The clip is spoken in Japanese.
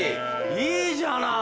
いいじゃない。